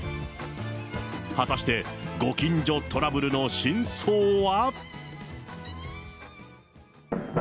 果たして、ご近所トラブルの真相は。